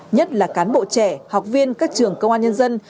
nhất là cán bộ trẻ học viên các trường công an nhân dân